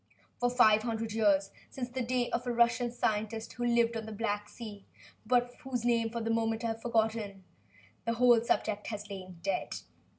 For five hundred years since the days of a Russian scientist who lived on the Black Sea, but whose name, for the moment, I have forgotten the whole subject has lain dead.